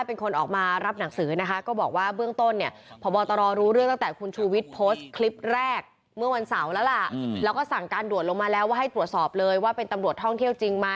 ถ้าเป็นคนออกมารับหนังสือนะคะก็บอกว่าเบื้องต้นเนี่ย